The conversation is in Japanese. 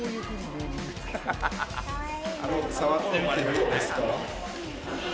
触ってみてどうですか？